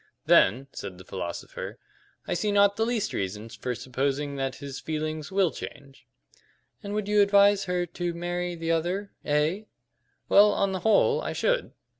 "Then," said the philosopher, "I see not the least reason for supposing that his feelings will change." "And would you advise her to marry the other A?" "Well, on the whole, I should.